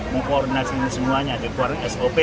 mengkoordinasi semuanya di luar sop